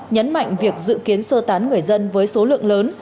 nhấn mạnh việc dự kiến sơ tán người dân với số lượng lớn